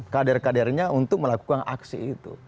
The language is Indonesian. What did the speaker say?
kader kadernya untuk melakukan aksi itu